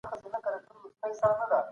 د پانګي راکد کيدلو ډير زيانونه اړولي وو.